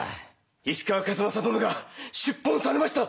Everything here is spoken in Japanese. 石川数正殿が出奔されました。